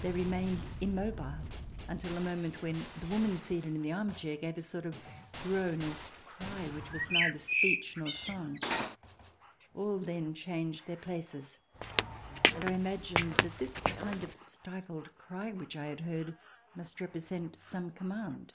They remained immobile until the moment when the woman seated in the arm chair gave a sort of groan or cry which was neither speech nor song. All then changed their places, and I imagined that this kind of stifled cry which I had heard must represent some command.